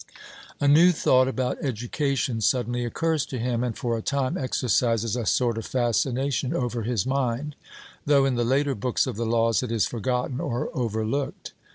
A new thought about education suddenly occurs to him, and for a time exercises a sort of fascination over his mind, though in the later books of the Laws it is forgotten or overlooked.